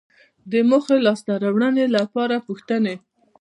د موخې لاسته راوړنې لپاره پوښتنې